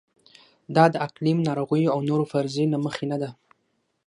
دا د اقلیم، ناروغیو او نورو فرضیې له مخې نه ده.